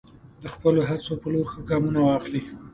د خپلو هڅو په لور ښه ګامونه واخلئ.